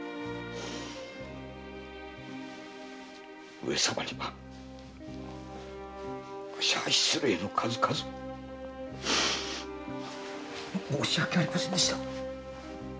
上様には失礼の数々申し訳ありませんでした。